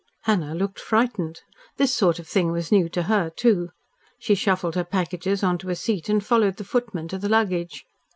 Hannah looked frightened. This sort of thing was new to her, too. She shuffled her packages on to a seat and followed the footman to the luggage.